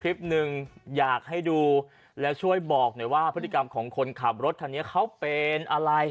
คลิปหนึ่งอยากให้ดูแล้วช่วยบอกหน่อยว่าพฤติกรรมของคนขับรถคันนี้เขาเป็นอะไร